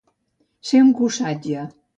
Ser un cossatge.